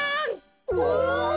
お！